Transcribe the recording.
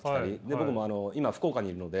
僕も今福岡にいるので。